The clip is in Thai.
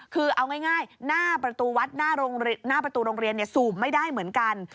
คือเอาง่ายหน้าประตูวัดหน้าประตูโรงเรียนสูบไม่ได้เหมือนกัน